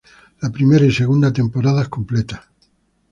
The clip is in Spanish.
La primera y segunda temporadas completas".